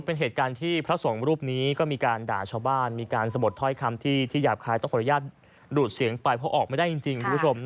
เพราะพระพระที่ยืนรับบาทอย่างเดียวโดยที่ไม่ได้เดิน